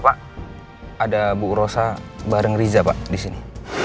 pak ada bu rosa bareng riza pak di sini